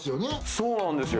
そうなんですよ。